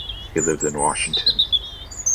He lived in Washington.